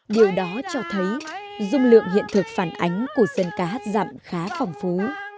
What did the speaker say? điều đó cho thấy dung lượng hiện thực phản ánh của dân ca hát dặm khá phong phú